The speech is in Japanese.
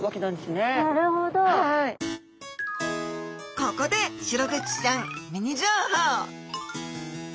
ここでシログチちゃんミニ情報！